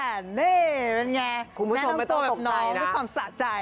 คุณผู้ชมไม่ต้องตกใจนะคุณผู้ชมไม่ต้องตกใจนะแนน้องตัวแบบน้องไม่ต้องสะใจ